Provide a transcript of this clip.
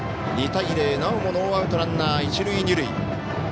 ２対０、なおもノーアウトランナー、一塁二塁。